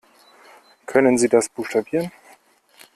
Können Sie das buchstabieren?